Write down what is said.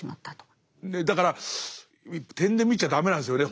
だから点で見ちゃ駄目なんですよね。